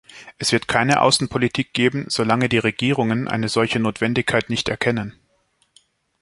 Es wird keine Außenpolitik geben, solange die Regierungen eine solche Notwendigkeit nicht erkennen.